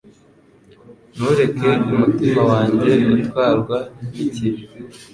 Ntureke umutima wanjye utwarwa n’ikibi